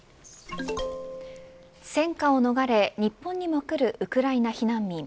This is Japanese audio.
戦火を逃れ日本にも来るウクライナ避難民。